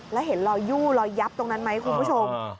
แล้วเห็นรอยยู่รอยยับตรงนั้นไหมคุณผู้ชม